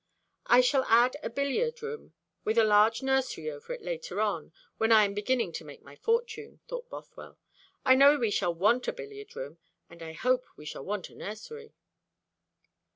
"I shall add a billiard room with a large nursery over it later on, when I am beginning to make my fortune," thought Bothwell. "I know we shall want a billiard room; and I hope we shall want a nursery."